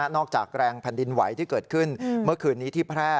จากแรงแผ่นดินไหวที่เกิดขึ้นเมื่อคืนนี้ที่แพร่